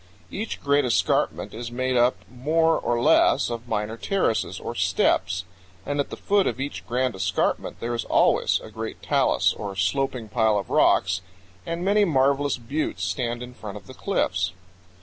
Each great escarpment is made up more or less of minor terraces, or steps; and at the foot of each grand escarpment there is always a great talus, or sloping pile of rocks, and many marvelous buttes stand in front of the cliffs.